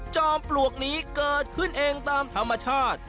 ปลวกนี้เกิดขึ้นเองตามธรรมชาติ